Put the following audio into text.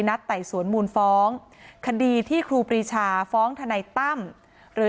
ไต่สวนมูลฟ้องคดีที่ครูปรีชาฟ้องทนายตั้มหรือ